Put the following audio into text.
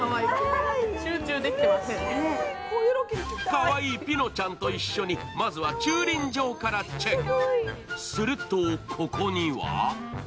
かわいいピノちゃんと一緒にまずは駐輪場からチェック。